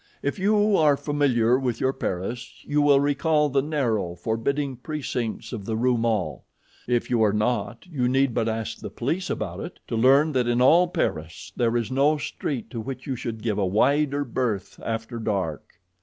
If you are familiar with your Paris you will recall the narrow, forbidding precincts of the Rue Maule. If you are not, you need but ask the police about it to learn that in all Paris there is no street to which you should give a wider berth after dark.